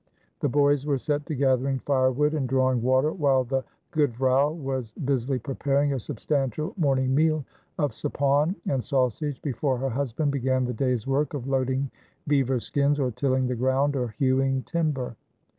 The boys were set to gathering firewood and drawing water, while the goede vrouw was busily preparing a substantial morning meal of suppawn and sausage before her husband began the day's work of loading beaver skins or tilling the ground or hewing timber.